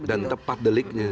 dan tepat deliknya